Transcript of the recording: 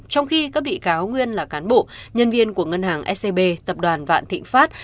trong khi các bị cáo nguyên là cán bộ nhân viên của ngân hàng scb tập đoàn vạn thịnh pháp